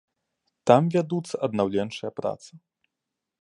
Там вядуцца аднаўленчыя працы.